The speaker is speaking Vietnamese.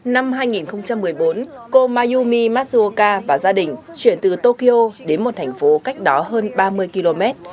năm hai nghìn một mươi bốn cô mayumi masuoka và gia đình chuyển từ tokyo đến một thành phố cách đó hơn ba mươi km